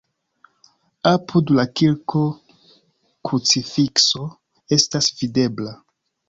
Apud la kirko krucifikso estas videbla.